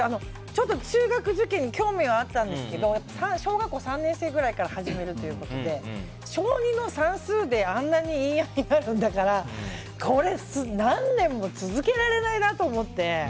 ちょっと中学受験に興味はあったんですけど小学校３年生くらいから始めるということで小２の算数であんなに言い合いになるんだからこれ、何年も続けられないなと思って。